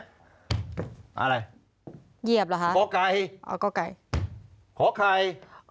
อะไรเหยียบเหรอฮะขอกไก่อ๋อขอกไก่ขอกไข่อ๋อ